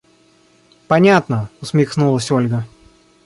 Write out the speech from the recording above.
– Понятно! – усмехнулась Ольга.